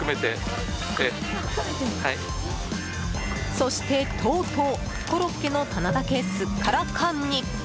そして、とうとうコロッケの棚だけすっからかんに。